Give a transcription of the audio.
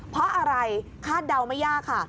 เพราะอะไรคาดเดาไม่ยากค่ะ